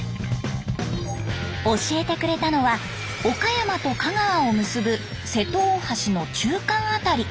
教えてくれたのは岡山と香川を結ぶ瀬戸大橋の中間辺り。